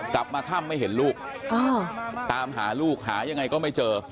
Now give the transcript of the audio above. กลับมาค่ำไม่เห็นลูกตามหาลูกหายังไงก็ไม่เจอ